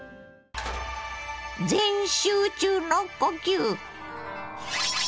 全集中の呼吸！